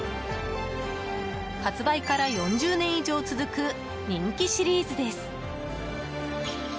発売から４０年以上続く人気シリーズです。